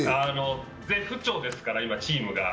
絶不調ですから、今、チームが。